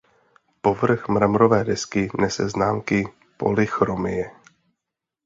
Povrch mramorové desky nese známky polychromie.